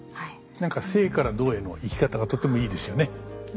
何か静から動への行き方がとてもいいですよね。